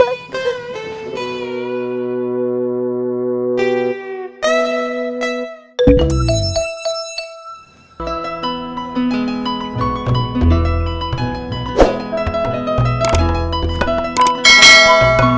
hai akibat sering bermain api